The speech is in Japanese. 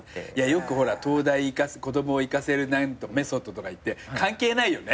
よく東大子供を行かせるメソッドとかいって関係ないよね。